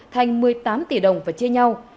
thành một mươi tám tỷ đồng và chia nhau